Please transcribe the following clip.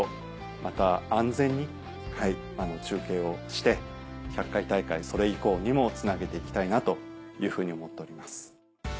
また安全に中継をして１００回大会それ以降にもつなげて行きたいなというふうに思っております。